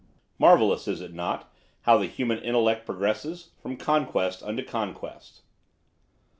'Marvellous, is it not, how the human intellect progresses, from conquest unto conquest.